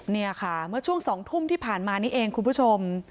นี่ค่ะเมื่อช่วง๒ทุ่มที่ผ่านมานี่เองคุณผู้ชม